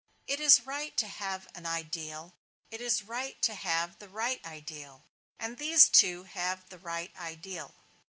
It is right to have an ideal, it is right to have the right ideal, and these two have the right ideal.